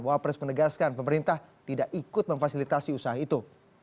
wah pres menegaskan pemerintah tidak ikut memfasilitasi usaha itu